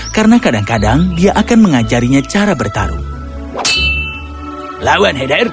karena kadang kadang dia akan mengajarinya cara bertarung